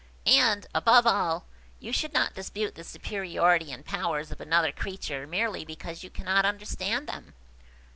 And, above all, you should not dispute the superiority and powers of another creature merely because you cannot understand them."